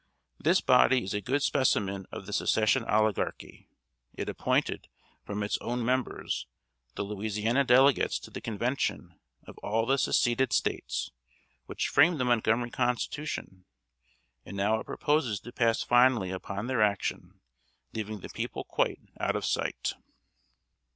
This body is a good specimen of the Secession Oligarchy. It appointed, from its own members, the Louisiana delegates to the Convention of all the seceded States which framed the Montgomery Constitution, and now it proposes to pass finally upon their action, leaving the people quite out of sight.